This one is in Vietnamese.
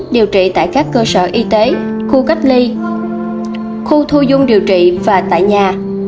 điều trị tại các cơ sở y tế khu cách ly khu thu dung điều trị và tại nhà